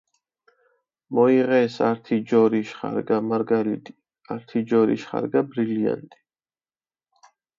მოიღეს ართი ჯორიშ ხარგა მარგალიტი, ართი ჯორიშ ხარგა ბრილიანტი.